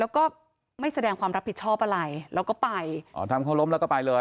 แล้วก็ไม่แสดงความรับผิดชอบอะไรแล้วก็ไปอ๋อทำเขาล้มแล้วก็ไปเลย